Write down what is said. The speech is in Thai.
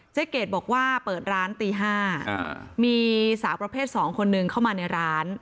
เกดบอกว่าเปิดร้านตี๕มีสาวประเภท๒คนนึงเข้ามาในร้าน